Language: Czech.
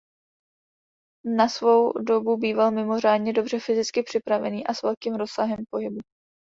Na svou dobu býval mimořádně dobře fyzicky připravený a s velkým rozsahem pohybu.